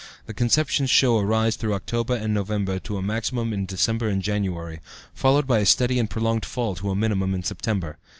The conceptions show a rise through October and November to a maximum in December and January, followed by a steady and prolonged fall to a minimum in September.